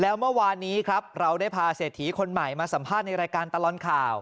แล้วเมื่อวานนี้ครับเราได้พาเศรษฐีคนใหม่มาสัมภาษณ์ในรายการตลอดข่าว